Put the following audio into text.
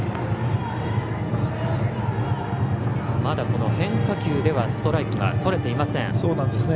まだ、変化球ではストライクがとれていません。